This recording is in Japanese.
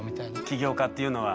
起業家っていうのは。